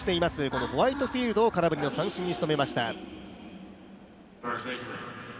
このホワイトフィールドを空振りの三振にしとめました。